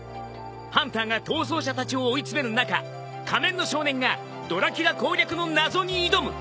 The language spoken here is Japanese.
ハンターが逃走者たちを追い詰める中仮面の少年がドラキュラ攻略の謎に挑む。